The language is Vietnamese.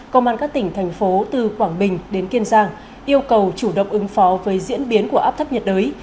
công an các tỉnh thành phố từ quảng bình đến kiên giang yêu cầu chủ động ứng phó với diễn biến của áp thấp nhiệt đới